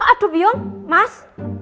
aduh bion mas